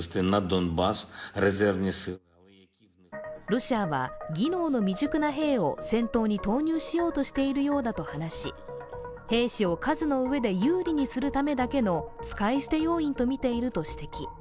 ロシアは技能の未熟な兵を戦闘に投入しているようだと話し兵士を数の上で有利にするためだけの使い捨て要因とみていると指摘。